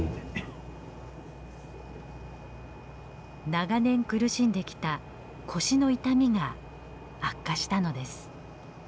長年苦しんできた腰の痛みが悪化したのです。